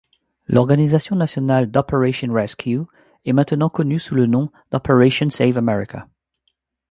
L'organisation nationale d'Operation Rescue est maintenant connue sous le nom d'Operation Save America.